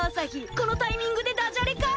このタイミングでダジャレかい？